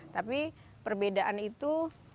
tapi perbedaan itu